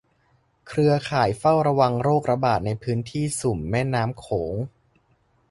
เครือข่ายเฝ้าระวังโรคระบาดในพื้นที่สุ่มแม่น้ำโขง